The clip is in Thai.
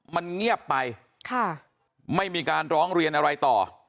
มันเงียบไปค่ะไม่มีการร้องเรียนอะไรต่อ